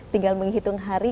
tinggal menghitung hari